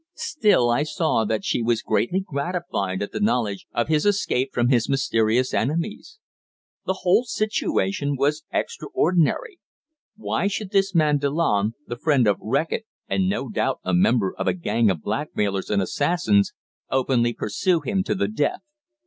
Still I saw that she was greatly gratified at the knowledge of his escape from his mysterious enemies. The whole situation was extraordinary. Why should this man Delanne, the friend of Reckitt and no doubt a member of a gang of blackmailers and assassins, openly pursue him to the death?